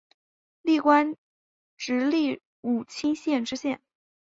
历官直隶武清县知县。